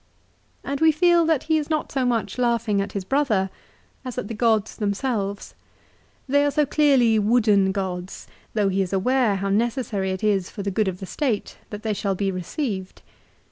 And we feel that he is not so much laughing at his brother, as at the gods themselves. They are so clearly wooden gods, though he is aware how necessary it is for the good of the State that they shall be received.